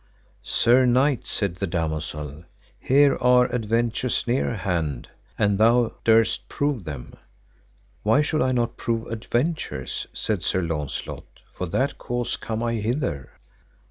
Sir knight, said that damosel, here are adventures near hand, an thou durst prove them. Why should I not prove adventures? said Sir Launcelot for that cause come I hither.